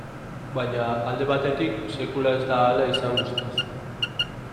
Baina alde batetik, sekula ez da hala izan guztiz.